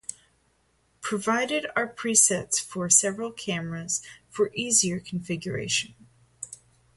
Provided are presets for several cameras for easier configuration.